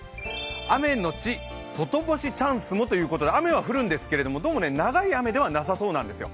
雨のち外干しチャンスもということで雨は降るんですけど、どうも長い雨ではなさそうなんですよ。